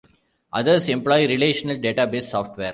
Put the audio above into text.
Others employ relational database software.